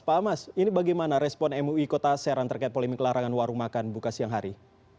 pak hamas ini bagaimana respon mui kota serang terkait polemik larangan warung makan buka siang hari